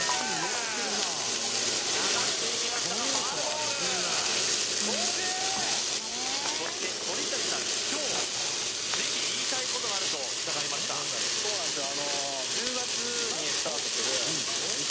流していきましたがファウルボールそして鳥谷さん今日ぜひ言いたいことがあると伺いましたそうなんすよ